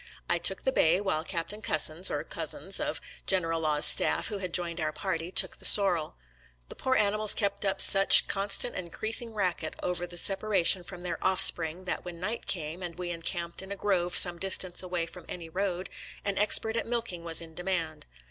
I took the bay, while Captain Cussons (or Cozzens), of General Law's staff, who had joined our party, took the sorrel. The poor ani mals kept up such 3. constant and increasing racket over the separation from their offspring that when night came, and we encamped in a grove some distance away from any road, an HOOD'S TBXANS IN PENNSYLVANIA 125 expert at milking was in demand.